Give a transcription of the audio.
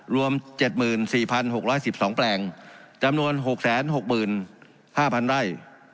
รวม๗๔๖๑๒แปลงจำนวน๖๖๕๐๐๐ไร่